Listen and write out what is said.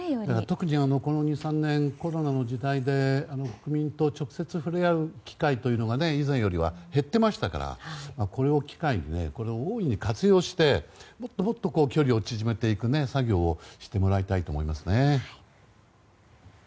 特に、ここ２３年コロナの時代で国民と直接触れ合う機会が以前より減っていましたからこれを機会にこれを大いに活用してもっともっと距離を縮めていく作業をしてもらいたいと思います。